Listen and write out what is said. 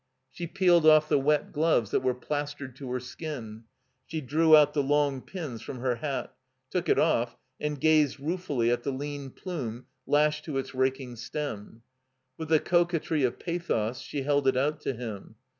She peeled ofiE the wet gloves that were plastered to her skin; she drew out the long pins from her hat, took it ofiE, and gazed ruefully at the lean plume lashed to its raking stem. With the coquetry of pathos, she held it out to him.